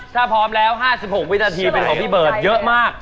ถ้าพร้อมแล้ว๕๖วินาทีเป็นของพี่เบิร์ตเยอะมาก